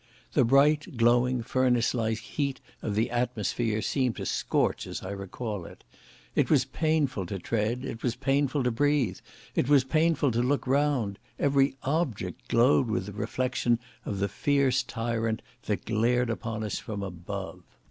The bright, glowing, furnace like heat of the atmosphere seems to scorch as I recall it. It was painful to tread, it was painful to breathe, it was painful to look round; every object glowed with the reflection of the fierce tyrant that glared upon us from above.